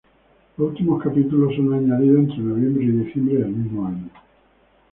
Los últimos capítulos son añadidos entre noviembre y diciembre del mismo año.